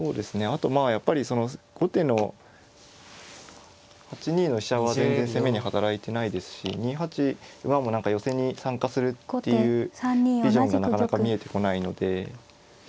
あとまあやっぱりその後手の８二の飛車は全然攻めに働いてないですし２八馬も何か寄せに参加するっていうビジョンがなかなか見えてこないので。